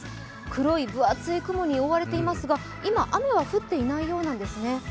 黒い分厚い雲に覆われていますが、今、雨は降っていないようなんですね。